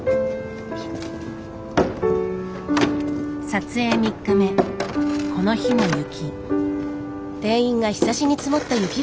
撮影３日目この日も雪。